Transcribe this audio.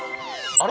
あれ？